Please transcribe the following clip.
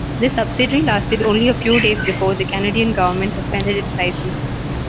This subsidiary lasted only a few days before the Canadian government suspended its licence.